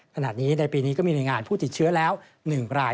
ขณะนี้ในปีนี้ก็มีหน่วยงานผู้ติดเชื้อแล้ว๑ราย